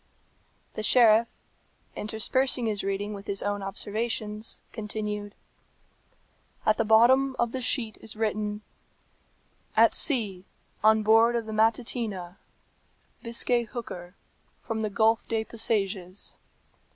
The sheriff, interspersing his reading with his own observations, continued, "At the bottom of the sheet is written, "'At sea, on board of the Matutina, Biscay hooker, from the Gulf de Pasages.'